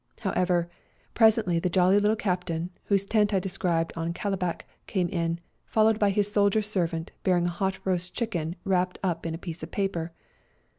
However, presently the jolly little captain, whose tent I described on Kalabac, came in, followed by his soldier servant bearing a hot roast chicken wrapped up in a piece of paper